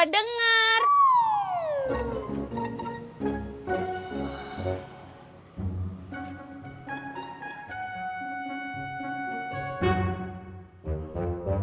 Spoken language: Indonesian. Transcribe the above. iti didendamkan dan